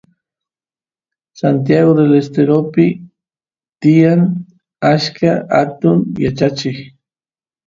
Santiagu Del Esteropi tiyan achka atun yachacheq